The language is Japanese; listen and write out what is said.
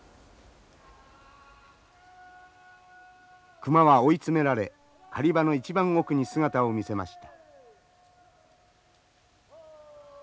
熊は追い詰められ狩り場の一番奥に姿を見せました。